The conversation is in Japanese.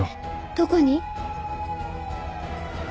どこに？